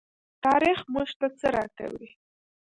تاریخ موږ ته څه راکوي؟